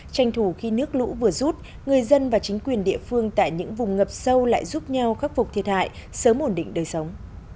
tranh thủ khi nước lũ vừa rút người dân và chính quyền địa phương tại những vùng ngập sâu lại giúp nhau khắc phục thiệt hại sớm ổn định đời sống